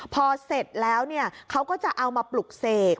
พอเสร็จแล้วเขาก็จะเอามาปลุกเสก